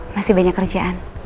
masih banyak kerjaan